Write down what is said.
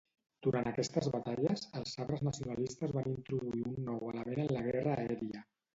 Durant aquestes batalles, els Sabres nacionalistes van introduir un nou element en la guerra aèria.